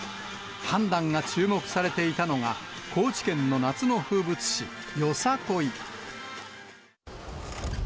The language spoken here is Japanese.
判断が注目されていたのが、高知県の夏の風物詩、よさこい。